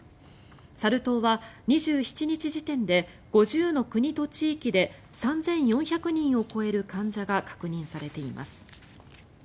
サル痘は２７日時点で５０の国と地域で３４００人を超える患者が確認されています。